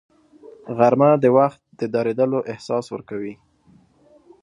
غرمه د وخت د درېدلو احساس ورکوي